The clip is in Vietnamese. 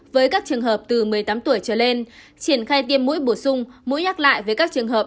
với các trường hợp từ một mươi tám tuổi trở lên triển khai tiêm mũi bổ sung mũi nhắc lại với các trường hợp